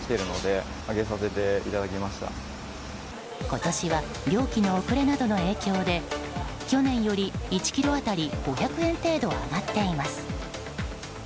今年は漁期の遅れなどの影響で去年より１ｋｇ当たり５００円程度上がっています。